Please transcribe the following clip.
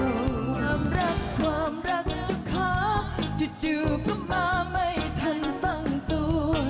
ความรักความรักเจ้าข้าจุดจุก็มาไม่ทันตั้งตัว